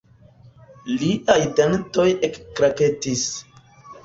Liaj dentoj ekklaketis.